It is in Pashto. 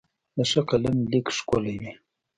د ښه قلم لیک ښکلی وي.